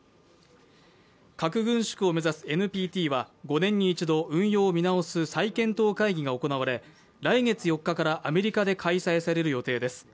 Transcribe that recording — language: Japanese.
核軍縮を目指すＮＰＴは５年に一度、運用を見直す再検討会議が行われ、来月４日からアメリカで開かれる予定です。